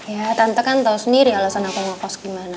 ya tante kan tau sendiri alasan aku ngekaos gimana